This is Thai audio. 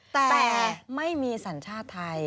แต่ไม่มีสัญชาติไทย